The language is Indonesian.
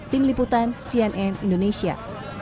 tim liputan cnn indonesia